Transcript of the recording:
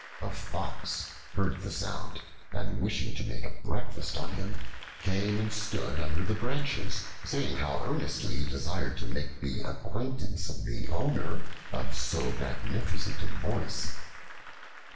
A Fox heard the sound, and wishing to make a breakfast on him, came and stood under the branches, saying how earnestly he desired to make the acquaintance of the owner of so magnificent a voice.